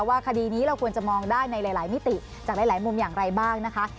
คดีนี้เราควรจะมองได้ในหลายมิติจากหลายมุมอย่างไรบ้างนะคะ